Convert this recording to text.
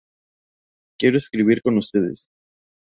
Quiero escribir con ustedes".